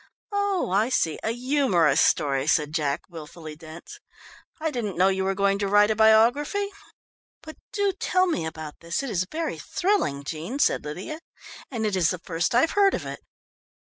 "Oh, I see, a humorous story," said Jack, wilfully dense. "I didn't know you were going to write a biography." "But do tell me about this, it is very thrilling, Jean," said Lydia, "and it is the first I've heard of it."